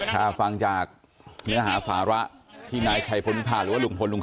ถ้าฟังจากเนื้อหาศาละที่นายชัยพุนภาคหรือลุงพลลุงคุณครับ